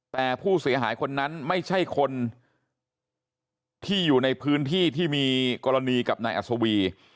แต่ผู้เสียหายคนนั้นไม่ใช่คนที่อยู่ในพื้นที่ที่มีกรณีกับนายอัศวี